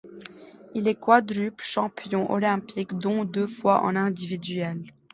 Il est quadruple champion olympique dont deux fois en individuel.